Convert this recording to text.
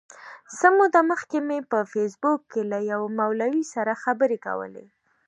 څه موده مخکي مي په فېسبوک کي له یوه مولوي سره خبري کولې.